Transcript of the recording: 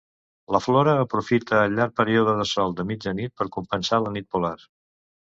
La flora aprofita el llarg període de sol de mitjanit per compensar la nit polar.